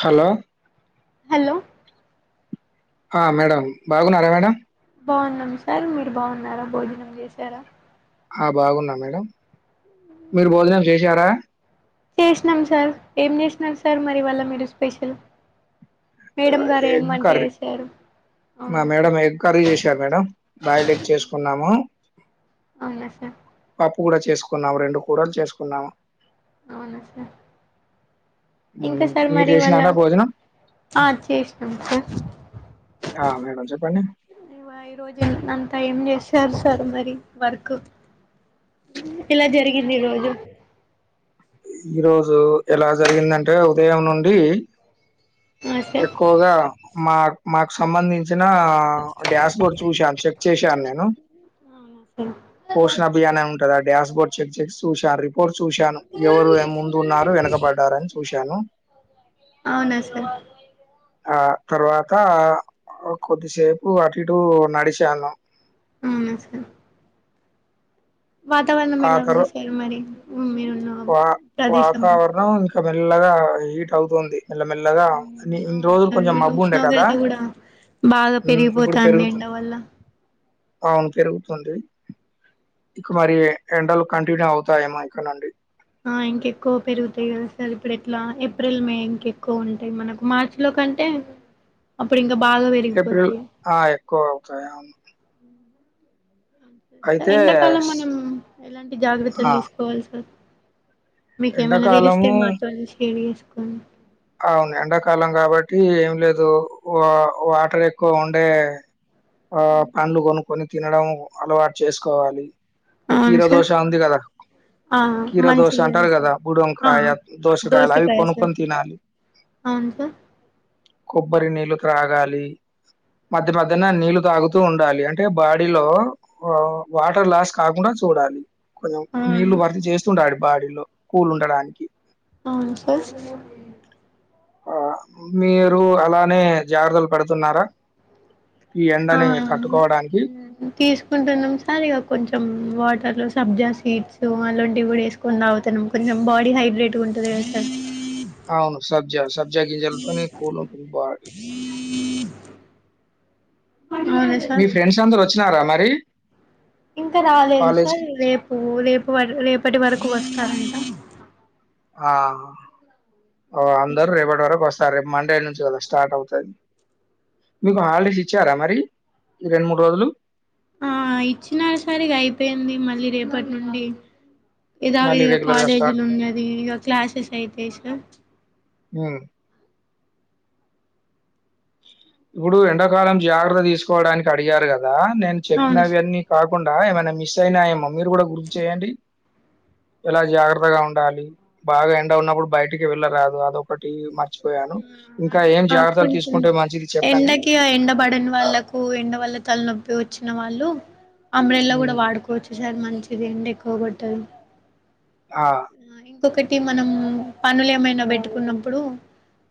Hello hello ఆ madam బాగున్నారా madam బాగున్నాం సార్ మీరు బాగున్నారా భోజనం చేసారా ఆ బాగున్నా మేడం మీరు భోజనం చేసారా చేసినాం సార్ ఏం చేసినారు సార్ మరి ఇవాలా మీరు స్పెషల్ మేడం గారు ఎగ్ ఏమమంటే కర్రీ. ఎసారు మా మేడం ఎగ్ కర్రీ చేసారు మేడం బిల్డ్ ఎగ్ చేసుకున్నాము అవునా సార్ పప్పు కూడా చేసుకున్నాము రెండు కూరా చేసుకున్నాము అవునా సార్ ఇంకా సార్ మీరు మరి ఇవాళ చేసినారా భోజనం ఆ చేసినామ్ సార్ ఆ మేడం చెప్పండి ఈ రోజు అంతా ఏం చేశారు సార్ మరి వర్క్ ఇలా జరిగింది ఈ రోజు ఈ రోజు ఎలా జరిగిందంటే ఉదయం నుండి ఆ సార్ ఎక్కువగా మా మాకు సంబంధించి చ్చిన డ్యాస్ బోర్డ్ చూశాను చెక్ చేశాను నేను అవునా సార్ పోషణ అభియాన్ ఉంటందా డడాష్ బోర్డ్ చెక్ చెక్ చూశాను రిపోర్ట్ చూశాను ఎవరు ముందు ఉన్నారు వెనకబడ్డారని చూశాను అవునా సార్ ఆ తర్వాత కొద్దిసేపు అటు ఇటు నడిచాను మ్మ్ వాతావరణం ఆ ఎలా తర్వా ఉంది సార్ మరి మీరున్న వా ప్రదేశంలో వాతావరణం ఇంకా మెల్లగా హీట్ అవుతుంది మెల్లమెల్లగా అ ఇన్ని అవును రోజులు కొంచెం సార్ మబ్బు ఉండే కదా ఉష్ణోగ్రత కూడా బాగా హ్మ్ పెరిగిపోతానై ఎండ వల్ల అవున్ పెరుగుతుంది ఇక మరి ఎండలు కంటిన్యూ అవుతాయేమ ఇక నుండి ఆ ఇంకెక్కువ పెరుగుతాయి కదా సార్ ఇప్పుడు ఎట్లా ఏప్రిల్ మే ఇంకెక్కువ ఉంటాయి మనకు మార్చి లో కంటే అప్పుడి ఏప్రిల్ ఆ ఎక్కువ అవుతా అయితే ఎండాకాలం స్ మనం ఎలాంటి ఆ జాగ్రత్తలు తీసుకోవాలి సార్ మీకేమైనా ఎండాకాలము తెలిస్తే మాతో షేర్ చేసుకోని అవును ఎండాకాలం కాబట్టి ఏం లేదు వా వాటర్ ఎక్కువ ఉండే ఆ పండ్లు కొనుక్కొని తినడం అలవాటు చేసుకోవాలి ఆ అవును కీరా సార్ దోష ఉంది కదా ఆ కిరా దోస మంచిగా అంటారు కదా సార్ ఆ బుడంకా దోస కాయాల అవి కొనుకొని తినాలి అవున సార్ కొబ్బరి నీళ్ళు త్రాగాలి మధ్య మధ్యన నీళ్లు తాగుతూ ఉండాలి అంటే బాడీలో వాటర్ లాస్ కాకుండా చూడాలి కొంచెం నీళ్లు అవును భర్తీ చేస్తుండా బాడీలో కూల్ ఉండడానికి అవును సార్ ఆ మీరు అలానే జాగ్రత్తలు పడుతున్నారా ఈ ఆ ఎండని తట్టుకోవడానికి తీసుకుంటున్నాం సర్ ఇగ కొంచెం వాటా లో సబ్జా సీడ్స్ అలాంటివి కూడా వేసుకొని తాగుతన్నాం కొంచెం బాడీ హైడ్రేట్గా ఉంటుంది కదా సార్ అవును సబ్జా సబ్జా గింజాలతోనే కూల్ అ బడి అవునా మీ సార్ ఫ్రెండ్స్ అందరు వచ్చినారా మరి ఇంకా రాలేదు కాలేజ్ సార్ కి రేపు రేపు రేపటి వరకు వస్తారంట ఆ ఓ అందరు రేపటి వరకు వస్త సరేప మండే నుంచి కదా స్టార్ట్ అవుతది మీకు హాలిడేస్ ఇచ్చారా మరి ఈ రెండు మూడు రోజులు ఆ ఇచ్చిన సరిగా అయిపోయింది మళ్ళీ రేపటి నుండి ఏదా మళ్ళీ విధగా రెగ్యులర్‌గా స్టార్ట్ కాలేజీలు ఉన్నది ఇ క్లాసెస్ అయితై సార్ ఉ ఇప్పుడు ఎండాకాలం జాగ్రత్త తీసుకోవడానికి అడిగారు కదా నేను అవును సార్ చెప్పినవన్నీ కాక్ కుండా ఏమైనా మిస్ అయినాయేమో మీరు కూడా గుర్తు చేయండి ఎలా జాగ్రత్తగా ఉండాలి బాగా ఎండ ఉన్నప్పుడు బయటికి వెళ్ళరాదు అదొ ఒకటి మర్చి అ కొంచెం మంచిది చెప్పండి? ఎండకి ఎండబడని వాళ్ళకు ఎండ వాల్ల తలనొ వచ్చిన వాళ్ళు అంబ్రెల్ల కూడా హ్మ్. వాడుకోవచ్చు సార్ మంచిది ఎండ ఎక్కువ కొ ట్టదు ఆ ఇంకొకటి మనం పనులు ఏమైనా పెట్టుకున్నప్పుడు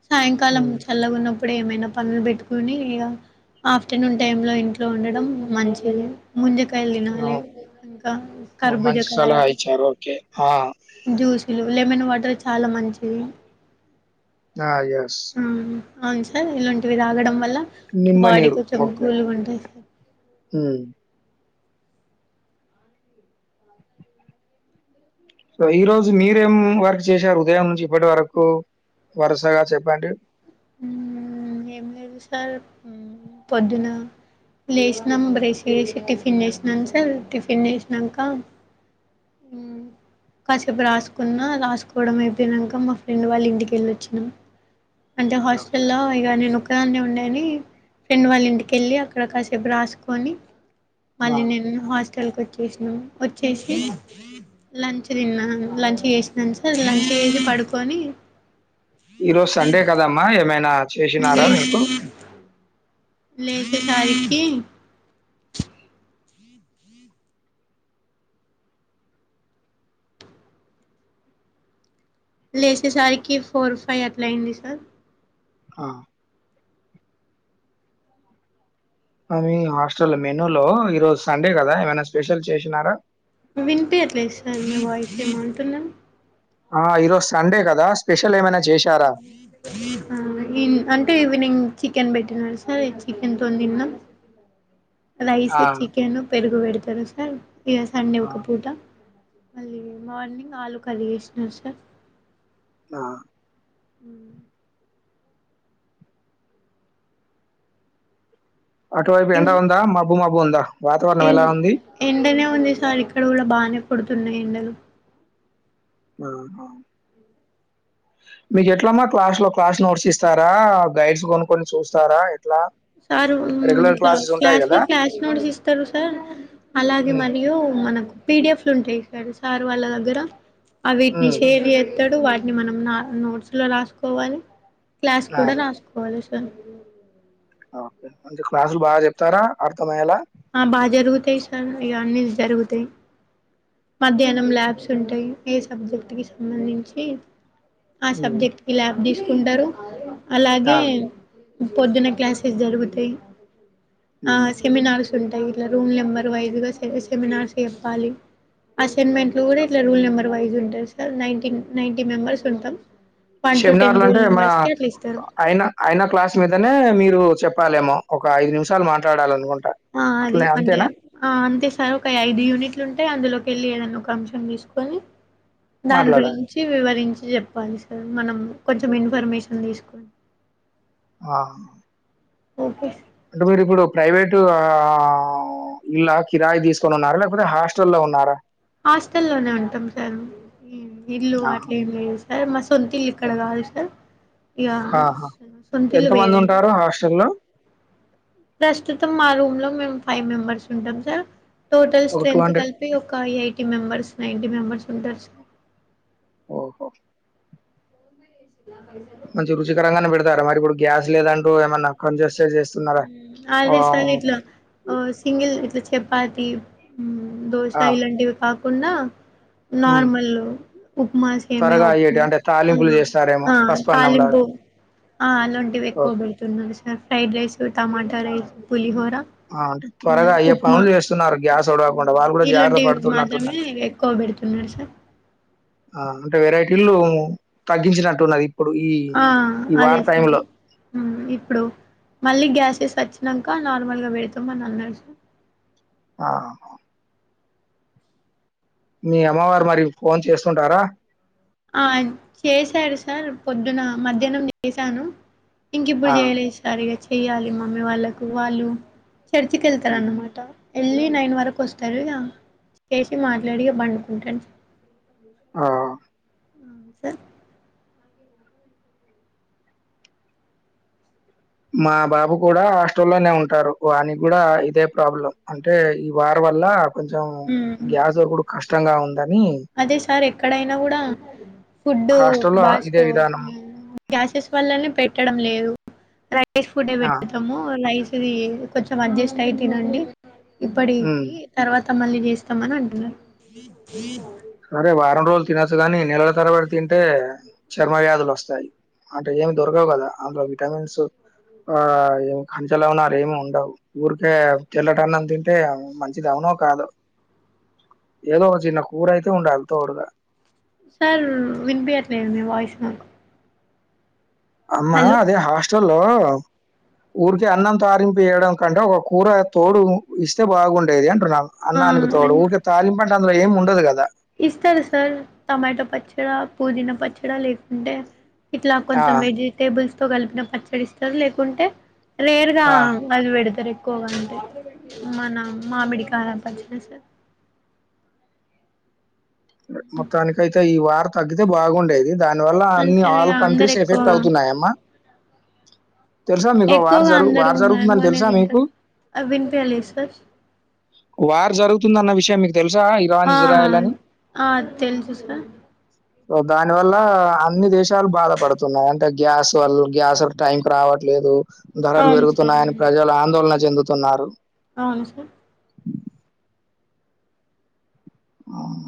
సాయంకాలం హ్మ్. చల్ల ఉన్నప్ప ఇప్పుడు ఏమైనా పనులు పెట్టుకుని ఇగ ఆఫ్టర్నూన్ టైమ్ లో ఇంట్లో ఉండడం మంచిగా లే ముంద వెళినాలె అవును. కా ఓహ్! మంచి కర్భూజకాయ సలహా ఇచ్చారు. ఓకే. ఆ! శిల్లు లెమన్ వాటర్ చాలా మంచిది. ఆ ఎస్ మ్మ్ అవును సార్ ఇలాంటివి తాగడం వల్ల నిమ్మ బాడీ కొంచం కూలు ఉంటాయి సార్ హ సో ఈ రోజు మీరేం వర్క్ చేశారు ఉదయం నుంచి ఇప్పటి వరకు వరుసగా చెప్పండి. ఏమి లేదు సార్ పొద్దున లేేసినాం బ్రేస్ వేసి టిఫిన్ జేసినాం సార్ టిఫిన్ జేసినంక [unintelligible] కాసేపు రాసుకున్నా రాసుకోవడం అయిపోయినంక మా ఫ్రెండ్ వాళ్ళ ఇంటికెళ్ళిచ్చినాం అంటే ఓకే. హాస్టల్ల్లో ఇగ నేనొక్కదాన్నే ఉండే ఫ్రెండ్ వాళ్ళ ఇంటికెళ్ళి అక్కడ కాసేపు రాసుకొని ఆ! మళ్ళీ నేను హ స్ల్కి వచ్చేసినాం వచ్చేసి లంచ్ తిన్నాను లంచ్ చేసినాను సార్ లంచ్ వేసి పడుకొని ఈ రోజు సండే కదమ్మా ఏమైనా చేసినారా మీకు లేశే సరికి లేసేసరికి ఫోర్ ఫైవ్ అట్లా అయింది సార్ ఆ మీ హాస్టల్ మెనూ లో ఈరోజు సండే కదా ఏమైనా స్పెషల్ చేసినారా వినిపియట్లేదు సార్ మీ వాయిస్ ఎమో అంటున్నార్ ఆ ఈరోజ సండే కదా స్పెషల్ ఏమైన్ అంటే నింగ్ చికెన్ పెట్టినాడు సార్ చికెన్తో తిన్నాం రైస్ ఆ! చికెను పెరుగు పెడతారు సార్ ఇగ సండే ఆ! ఒక పూట మళ్ళీ మార్నింగ్ ఆలూ కర్రీ చేసినారు సార్ ఆ [unintelligible] అటువైపు ఎండ ఉందా మబ్బు మబ్బు ఉందా వాతావరణం ఎలా ఉంది ంది సార్ ఇక్కడ కూడా బాగానే పడుతున్నాయి ఎండలు [inaudible] మీకు ఎట్లమ్మా క్లాస్ లో క్లాస్ నోట్స్ ఇస్తారా గైడ్స్ కొనుక్కని చూస్తారా ఎట్లా సార్ రెగ్యులర్ ఇట్లా క్లాసెస్ ఉంటాయి క్లాస్ లో గదా! క్లాస్ నోడిస్ ఇస్తారు సార్ అలాగే హ్మ్. మరియు మనకు పీడిఎఫ్ లు ఉంటాయి సారు సార్ వాళ్ళ దగ్గర ఆ వీటిని హ్మ్. షేర్ చే తడు వాటిని మనం నోట్స్ లో రాసుకోవాలి క్లాస్ ఆ! కూడా రాసుకోవాలి సార్ [inaudible] కే అంటే క్లాసులు బాగా చెప్తారా అర్థమయ్యేలా ఆ బాగా జరుగుతాయి సార్ ఇగ జరుగుతాయి మధ్యాహ్నం ల్యాబ్స్ ఉంటాయి ఏ సబ్జెక్ట్ కి హ్మ్. సంబంధించి ఆ హ్మ్. సబ్జెక్ట్ కి ల్యాబ్ తీసుకుంటారు ఆ! అలాగే పొద్దున క్లాసెస్ జరుగుతాయి ఆ హ్మ్. సెమినార్స్ ఉంటాయి ఇట్లా రూల్ నెంబర్ వైజ్ గా సెమినార్స్ చెప్పాలి అసైన్మెంట్ లో గూడా ఇట్ల రూల్ నెంబర్ వైజ్ ఉంటంది సార్ నైన్టిన్ నైన్టి మెంబర్స్ ఉంటం. షెమినార్లు అంటే మా అయినా అయినా క్లాస్ మీదనే మీరూ చెప్పాలేమో ఒక ఐదు నిమిషాలు మాట్లాడాలి అనుకున్ ఆ అది అంటే ఆ అంతే సార్ ఒక ఐదు యూనిట్లు ఉంటాయి అందులో ఎళ్ళి ఏదన్న ఒక అంశం తీసుకొని దాని మాట్లాడాలి. గురించి వివరించి చెప్పాలి సార్ మనం కొంచెం ఓహ్! ఇన్ఫర్మేషన్ తీసుకు అ ఆ ఓకే సార్. అంటే మీరి ఇప్పుడు ప్రైవేటు ఆ ఇల్లా కిరాయి తీసుకొని ఉన్నారా లేకపోతే హాస్టల్లో ఉన్నారా హాస్టల్లోనే ఉంటాం సర్ ఇల్లు ఆహా! అట్లేం లేదు సార్ మా సొంత ఇల్లు ఇక్కడ గాదు సార్ ఇయా ఆహా! సొంతిల్లు వేరే ఎంతమందుంటారు హాస్టల్‌లో? ప్రస్తుతం మా రూమ్ లో మేం ఫైవ్ మెంబర్స్ ఉంటాం సార్ టోటల్ ఒక స్ట్రెంత్ కలిపి ఒక ఎయిటీ మెంబెర్స్ నైన్టీ మెంబర్స్ ఉంటారు సార్ ఓహో మంచి రుచికరంగానే పెడతారా మరి ఇప్పుడు గ్యాస్ లేదంటూ ఏమన్నా కొన్ జేస్ ఆల్రే సార్ ఇట్లా సింగిల్ ఇట్ల చెప్ అదీ దోశ ఆ! ఇలాంటివి కాకుండా హ్మ్. నార్మల్ ఉప్మా సేమ్యా త్వరగా అయ్యేటి ఉప్మా అంటే తాలింపులు చేస్తారేమో ఆ పసుపన్నంలాగా. తాలింపు ఆ అలాంటివి ఎక్కువ ఓకే. పెడుతున్నారు sir fried rice tomato rice పులిహోర ఆ! అంటే ఆ త్వరగా అయ్యే ఉప్మా పనులు చేస్తున్నారు గ్యాస్ ఒడవకుండా. వాళ్ళు కూడా జాగ్రత్త ఇలోంటివి మాత్రమే పడుతున్నట్టున్నది. ఎక్కువ బెడుతున్నాడు సార్ ఆ అంటే వెరైటీలు తగ్గించినట్టున్నది ఇప్పుడు ఈ, ఆ ఈ అదే వార్ సార్ టైంలో. అ ఇప్పుడు మళ్ళీ గ్యాస్ ఇస్ వచ్చినంక నార్మల్ గా పెడతమని అన్నారు స ఆ ను మీ అమ్మవారు మరి ఫోన్ చేస్తుంటారా ఆ చేశాడు సార్ పొద్దున మధ్యాహ్నం చేసాను ఇంకిప్పుడు ఆ! చేయలేదు సరిగా చెయ్యాలి మమ్మీ వాళ్ళకు వాళ్ళు చర్చికి హ్మ్. ఎళ్తారన్నమాట ఎళ్ళి నైన్ వరకు ఒస్తారు ఇగ చేసి మాట్లాడి ఇగ బండుకుంటను ఆ సర్ మా బాబు కూడా హాస్టల్లోనే ఉంటారు వానికి కూడా ఇదే ప్రాబ్లం అంటే ఈ వారి వల్ల కొంచెం హ్మ్. గ్యాస్ ఒకుడు కష్టంగా ఉందని అదే సార్ ఎక్కడైనా కూడా ఫుడ్డు హాస్టల్‌లో బా ఇదే స్టవ్ విధానం. [inaudible] గ్యాసెస్ వల్లనే పెట్టడం లేదు రైస్ ఫుడ్ ఆ! పెట్టతాము రైస్ ఇదీ కొంచెం అడ్జెస్ట్ అయి తినండి హ్మ్. ఇప్పడికి తర్వాత త మళ్ళి చేస్తామని అంటున్నారు సరే వారం రోజులు తినొచ్చు గాని నెలల తరవడి తింటే చర్మ వ్యాధులు వస్తాయి అంటే ఏమి దొరకవు గదా అందులో విటమిన్స్ ఆ ఏమి ఖంచలు [unintelligible] ఏమి ఉండవు ఊరికే తెల్లటనం తింటే మంచిది అవును మో కాదో ఏదో ఓ చిన్న కూరయితే ఉండాలి తోడుగా నా అమ్మా అదే హాస్టల్లో ఊరికే అన్నం తారింపు ఏయడం కంటే ఒక కూర తోడు ఇస్తే బాగుండేది అ అంటున్నా అన్ననికి తోడు అంటే ఊకే తాలింపంటే అందులో ఏమి ఉండదు గదా ఇస్తారు సార్ టమాటా పచ్చడ పుదీనా పచ్చడ లేకుంటే ఇట్లా ఆ కొంచెం వెజిటేబుల్స్ తో కలిపిన పచ్చడిస్తారు లేకుంటే రేర్ గా ఆ అది పెడతారు ఎక్కువగా అంటే మన మామిడి కాయా పచ్చిన సర్ మొత్తానికైతే ఈ వార్ తగ్గితే బాగుండేది దాని వల్ల అన్ని అంటే ఇగ ఆల్ అందరు కంట్రీస్ ఎఫెక్ట్ ఎక్కువగా అవుతున్నాయమ్మా తెలుసా మీకు వార్ ఎక్కువగా జరుగు అందరూ వార్ జరుగుతుందని మ్యాంగోనే తెలుసా మీకు తింటారు. ఆ వినిపియలేదు సార్. వార్ జరుగుతుందన్న విషయం మీకు తెలుసా ఇరాన్ ఆ! ఇజ్రాయల్ అని ఆ తెలుసు సర్ దాని వల్ల అన్ని దేశాలు బాధ పడుతున్నాయి అంటే గ్యాస్ వల్ల గ్యాస్ టైంకి రావట్లేదు ధరలు అవును సార్ పెరుగుతున్నాయని అవును. ప్రజలు ఆందోళన చెందుతున్నారు అవును సార్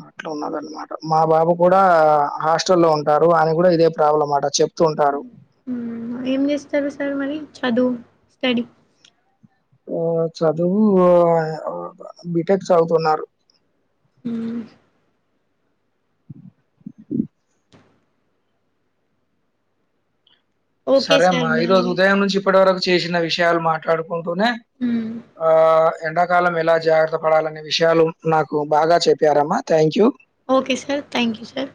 అట్లా ఉన్నదన్నమాట మా బాబు కూడా హాస్టల్లో ఉంటారు అని కూడా ఇదే ప్రాబ్లం అట చే ప్తుంటారూ హ్మ్. ఏం చేస్తారు సార్ మరి చదువు స్టడీ ఊ చదువు బీటెక్ చదువుతున్నారు హూ ఓకే సరే అమ్మా సార్ ఈ రోజు మరి. ఉదయం నుంచి ఇప్పటి వరకు చేసిన విషయాలు మాట్లాడుకు కుంటూనే ఆ ఎండాకాలం ఎలా జాగ్రత్త పడాలనే విషయాలు నాకు బాగా చెప్పారమ్మా thank you okay sir thank you sir